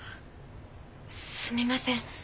すみません。